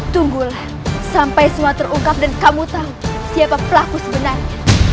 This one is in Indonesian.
tunggulah sampai semua terungkap dan kamu tahu siapa pelaku sebenarnya